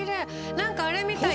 何かあれみたい！